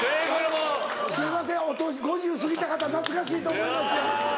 すいませんお年５０過ぎた方懐かしいと思いますが。